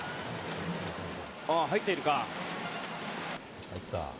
入っているか？